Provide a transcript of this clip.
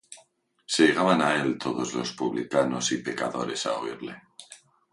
Se llegaban á él todos los publicanos y pecadores á oirle.